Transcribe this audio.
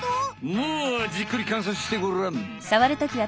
まあじっくりかんさつしてごらん。